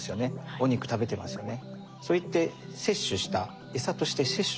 お肉食べてますよね。